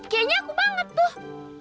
kayaknya aku banget tuh